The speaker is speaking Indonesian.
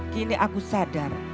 kini aku sadar